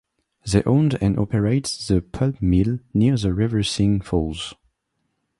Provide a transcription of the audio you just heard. They owned and operated the pulp mill near the Reversing Falls.